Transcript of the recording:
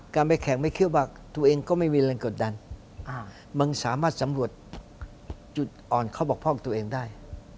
การไปแข่งไม่เครื่องมากตัวเองก็ไม่มีอะไรกับดันมันสามารถสำรวจจุดอ่อนข้อบอกพ่อของตัวเองได้